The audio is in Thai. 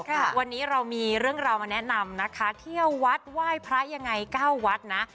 ค่ะวันนี้เรามีเรื่องราวมาแนะนำนะคะเที่ยววัดไหว้พระยังไงเก้าวัดนะ